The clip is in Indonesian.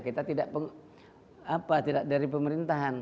kita tidak dari pemerintahan